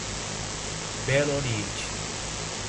Belo Oriente